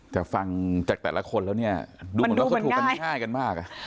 แต่ฟังจากแต่ละคนแล้วมันดูเหมือนกันย่ายกันมาก